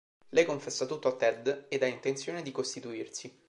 Lei confessa tutto a Ted ed ha intenzione di costituirsi.